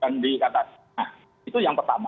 nah itu yang pertama